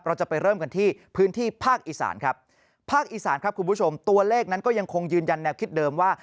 เราจะไปเริ่มกันที่พื้นที่ภาคอีสานครับภาคอีสานครับคุณผู้ชมตัวเลขนั้นก็ยังคงยืนยันแนวคิดเดิมว่า